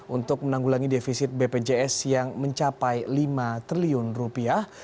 untuk menanggulangi defisit bpjs yang mencapai lima triliun rupiah